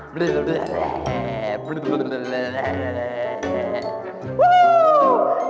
พดกลีน